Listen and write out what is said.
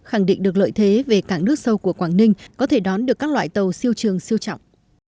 khẳng định được lợi thế về cảng nước sâu của quảng ninh có thể đón được các loại tàu siêu trường siêu trọng